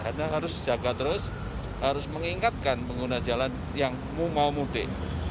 karena harus jaga terus harus mengingatkan pengguna jalan yang mau mudik